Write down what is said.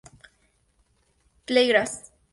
Play gras.